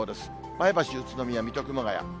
前橋、宇都宮、水戸、熊谷。